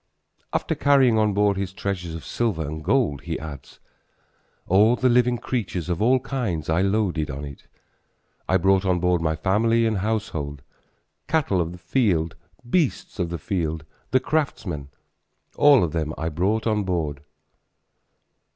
After carrying on board his treasures of silver and gold he adds: All the living creatures of all kinds I loaded on it. I brought on board my family and household; Cattle of the field, beasts of the field, the craftsmen, All of them I brought on board.